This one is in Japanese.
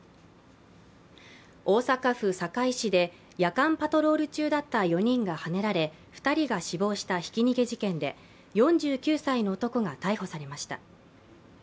大阪府堺市で夜間パトロール中だった４人がはねられ２人が死亡したひき逃げ事件で４９歳の男が逮捕されました。